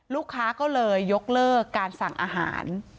ลูกค้าก็เลยยกเลิกการสั่งอาหาร